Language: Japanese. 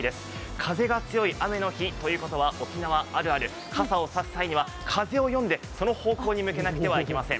風が強い雨の日というのは沖縄あるある、傘を差す際には風を読んで、その方向に向けなくてはいけません。